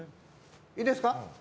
いいですか？